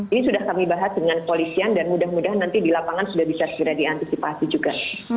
ini sudah kami bahas dengan polisian dan mudah mudahan nanti di lapangan sudah bisa segera diantisipasi juga